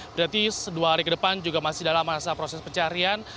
berarti dua hari ke depan juga masih dalam masa proses pencarian